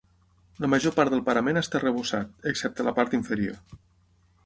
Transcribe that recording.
La major part del parament està arrebossat, excepte la part inferior.